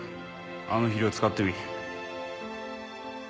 あの肥料使ってみ。